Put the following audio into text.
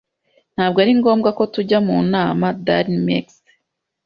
Ntabwo ari ngombwa ko tujya mu nama. darinmex